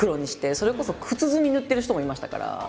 それこそ靴墨塗ってる人もいましたから。